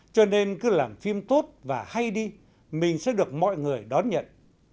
cho nên cứ làm phim tốt và hay đi mình sẽ được mọi người đón nhận